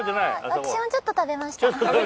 ああ私もちょっと食べました。